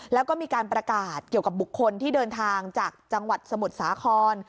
แล้วก็มีการประกาศเกี่ยวกับบุคคลที่เดินทางจากจังหวัดสมุทรสาคร